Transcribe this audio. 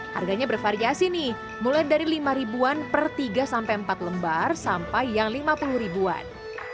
harganya bervariasi nih mulai dari lima ribuan per tiga sampai empat lembar sampai yang lima puluh ribuan